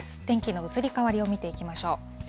天気の移り変わりを見ていきましょう。